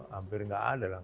hampir gak ada lah